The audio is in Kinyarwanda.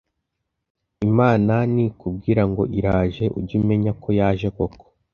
Imana nikubwira ngo iraje ujye umenya ko yaje koko,